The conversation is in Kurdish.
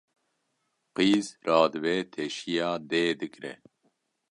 Qîz radibe teşiya dê digre